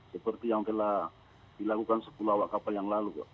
seperti yang telah dilakukan sepuluh awak kapal yang lalu